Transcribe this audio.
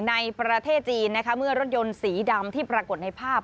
ในประเทศจีนนะคะเมื่อรถยนต์สีดำที่ปรากฏในภาพ